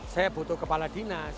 saya butuh kepala dinas